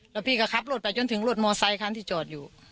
แล้วพี่ก็ขับรถไปจนถึงรถมอไซคันที่จอดอยู่